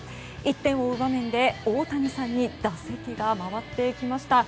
１点を追う場面で大谷さんに打席が回ってきました。